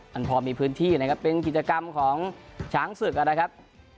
มันพอมีพื้นที่นะครับเป็นกิจกรรมของช้างศึกนะครับ